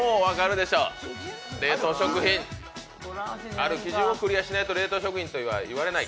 ある基準をクリアしないと冷凍食品とは言わない。